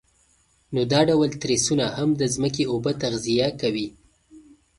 نو دا ډول تریسونه هم د ځمکې اوبه تغذیه کوي.